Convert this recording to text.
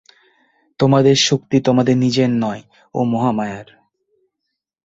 তোমাদের শক্তি তোমাদের নিজের নয়, ও মহামায়ার।